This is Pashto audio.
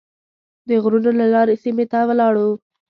د غرونو له لارې سیمې ته ولاړ.